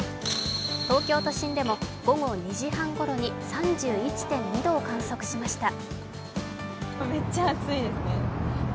東京都心でも午後２時半ごろに３１．２度を観測しました。